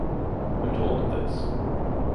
Who told you this?